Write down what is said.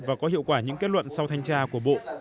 và có hiệu quả những kết luận sau thanh tra của bộ